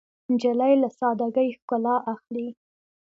نجلۍ له سادګۍ ښکلا اخلي.